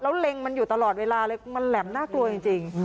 แล้วเล็งมันอยู่ตลอดเวลาเลยมันแหลมน่ากลัวจริง